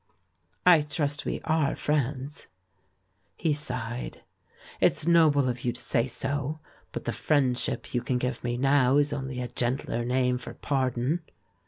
"I trust we are friends." He sighed. "It's noble of you to say so, but the 'friendship' you can give me now is only a gentler name for 'pardon.'